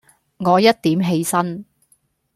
我一點起身